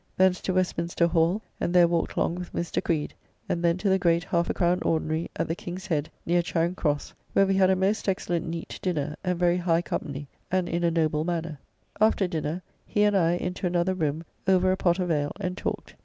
Thence to Westminster Hall, and there walked long with Mr. Creed, and then to the great half a crown ordinary, at the King's Head, near Charing Cross, where we had a most excellent neat dinner and very high company, and in a noble manner. After dinner he and I into another room over a pot of ale and talked.